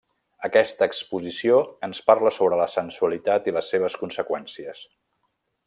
Aquesta exposició ens parla sobre la sensualitat i les seves conseqüències.